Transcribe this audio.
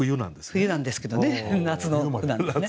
冬なんですけどね夏の句なんですね。